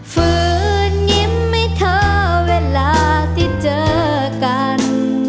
ฝืนยิ้มให้เธอเวลาที่เจอกัน